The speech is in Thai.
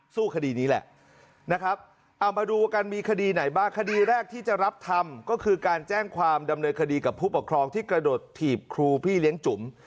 สู้คดีนี้แหละนะครับเอามาดูกันมีคดีไหนบ้างคดีแรกที่จะรับทำก็คือการแจ้งความดำเนินคดีกับผู้ปกครองที่กระโดดถีบครูพี่เลี้ยงจุ๋ม